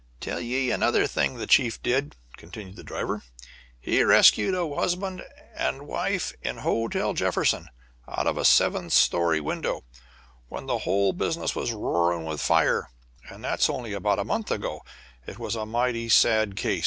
"Tell ye another thing the chief did," continued the driver. "He rescued a husband and wife in the Hotel Jefferson, out of a seventh story window, when the whole business was roaring with fire. That's only about a month ago; it was a mighty sad case.